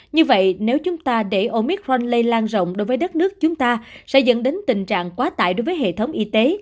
như vậy nếu chúng ta để omitforn lây lan rộng đối với đất nước chúng ta sẽ dẫn đến tình trạng quá tải đối với hệ thống y tế